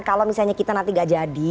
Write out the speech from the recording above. kalau misalnya kita nanti gak jadi